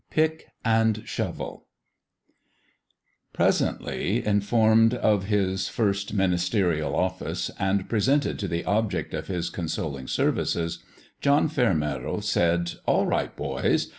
PICK AND SHOYEL PRESENTLY informed of his first minis terial office, and presented to the object of his consoling services, John Fair meadow said, " All right, boys